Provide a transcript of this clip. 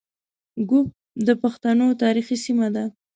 ږوب د پښتنو تاریخي سیمه ده